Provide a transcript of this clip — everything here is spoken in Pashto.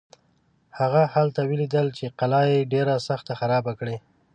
هغه هلته ولیدل چې قلا یې ډېره سخته خرابه کړې.